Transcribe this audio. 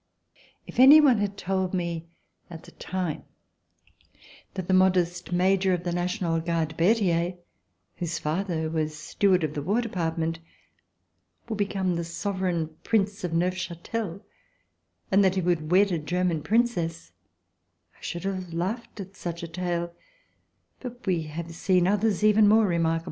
If any one had told me, at the time, that the modest Major of the National Guard, Berthier, whose father was steward of the War Department, would become the Sovereign Prince of Neufchatel and that he would wed a German Princess, I should have laughed at such a tale; but we have seen others even more remarkable